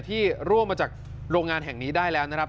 ร่วงมาจากโรงงานแห่งนี้ได้แล้วนะครับ